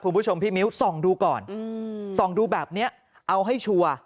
คุณผู้ชมพี่มิ้วส่องดูก่อนส่องดูแบบนี้เอาให้ชัวร์